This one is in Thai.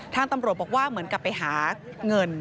ทางตำรวจบอกว่าเหมือนกับไปหาเงิน